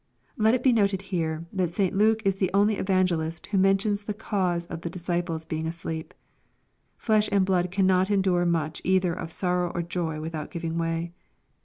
] Let it be noted here, that St. Luke ia the only evangelist who mentions the cause of the disciples bein^ asleep. Flesh and blood cannot endure much either of sorrow or joy, without giving way.